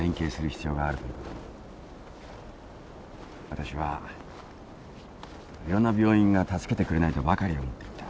私はいろんな病院が助けてくれないとばかり思っていた。